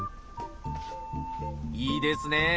いいですね！